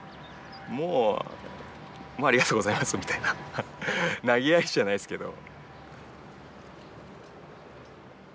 「もうありがとうございます」みたいななげやりじゃないですけど。